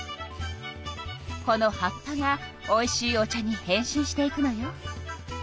この葉っぱがおいしいお茶に変身していくのよ。